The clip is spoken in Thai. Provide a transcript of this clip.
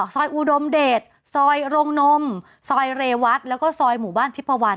อุดมเดชซอยโรงนมซอยเรวัตแล้วก็ซอยหมู่บ้านทิพวัน